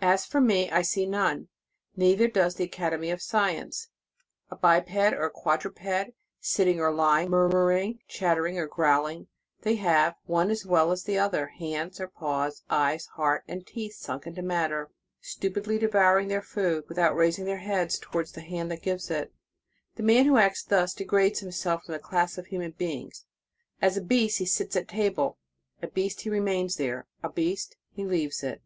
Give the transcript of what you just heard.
As for me, I see none; neither does the Academy of Science. 244 The Sign of the Cross A biped or a quadruped, sitting or lying, murmuring, chattering, or growling, they have, one as well as the other, hands or paws, eyes, heart and teeth sunk into matter, stu pidly devouring their food without raising their heads toward the hand that gives it. The man who acts thus, degrades himself from the class of human beings; as a beast, he sits at table, a beast, he remains there, a beast, he leaves it.